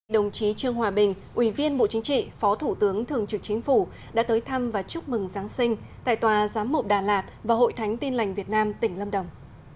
đồng chí trương hòa bình ủy viên bộ chính trị phó thủ tướng thường trực chính phủ đã tới thăm và chúc mừng giáng sinh tại tòa giám mộ đà lạt và hội thánh tin lành việt nam tỉnh lâm đồng